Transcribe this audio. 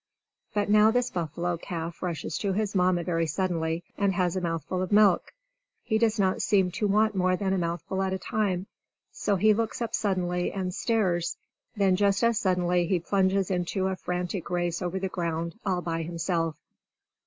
But now this buffalo calf rushes to his Mamma very suddenly, and has a mouthful of milk. He does not seem to want more than a mouthful at a time. So he looks up suddenly, and stares. Then just as suddenly he plunges into a frantic race over the ground, all by himself.